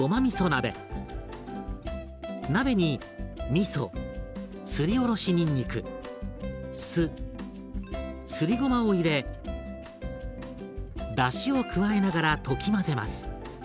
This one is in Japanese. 鍋にみそすりおろしにんにく酢すりごまを入れだしを加えながら溶き混ぜます。